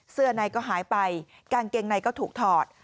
ในก็หายไปกางเกงในก็ถูกถอด